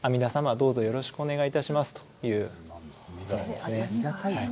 どうぞよろしくお願いいたしますという意味ですね。